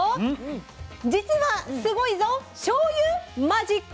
実は「スゴイぞ！しょうゆマジック」。